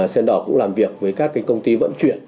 sennor cũng làm việc với các cái công ty vận chuyển